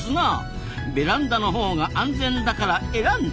ベランダのほうが安全だから「えらんだ」。